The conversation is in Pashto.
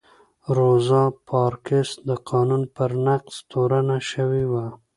روزا پارکس د قانون پر نقض تورنه شوې وه.